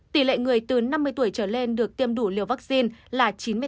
tỷ lệ người từ năm mươi tuổi trở lên được tiêm đủ liều vaccine là chín mươi tám